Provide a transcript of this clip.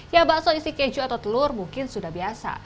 ya bakso isi keju atau telur mungkin sudah biasa